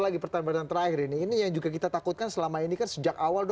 setelah ini selamat malam